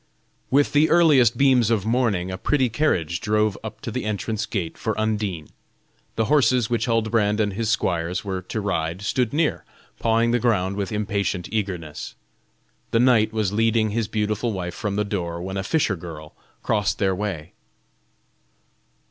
With the earliest beams of morning a pretty carriage drove up to the entrance gate for Undine: the horses which Huldbrand and his squires were to ride stood near, pawing the ground with impatient eagerness. The knight was leading his beautiful wife from the door, when a fisher girl crossed their way.